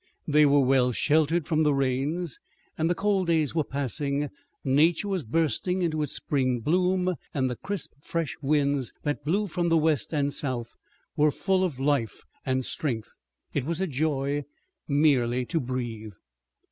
They were well sheltered from the rains. The cold days were passing, nature was bursting into its spring bloom, and the crisp fresh winds that blew from the west and south were full of life and strength. It was a joy merely to breathe.